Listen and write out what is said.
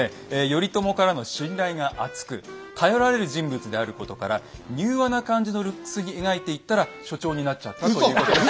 頼朝からの信頼が厚く頼られる人物であることから柔和な感じのルックスに描いていったら所長になっちゃったということで。